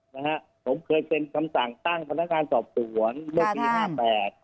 นะฮะผมเคยเป็นคำสั่งตั้งพนักงานสอบสวนเมื่อปีห้าแปด